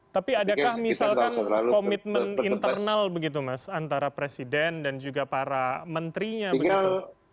tapi adakah misalkan komitmen internal begitu mas antara presiden dan juga para menterinya begitu